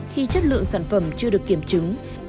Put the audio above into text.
khi chất lượng sản phẩm chưa được kiểm chứng